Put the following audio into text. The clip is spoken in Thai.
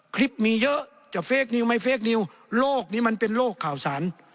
คลิปมีเยอะจะเฟคนิวไม่เฟคนิวโลกนี้มันเป็นโลกข่าวสาร